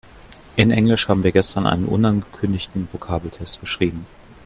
In Englisch haben wir gestern einen unangekündigten Vokabeltest geschrieben.